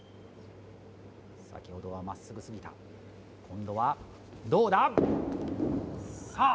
先ほどは真っすぐすぎた今度はどうださあ